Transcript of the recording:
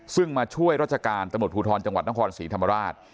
ซึ่งมาช่วยราชการตำรวจภูทรจังหวัดนครศรีธรรมราช